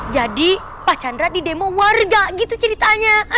jadi pak chandra di demo warga gitu ceritanya